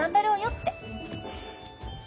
って。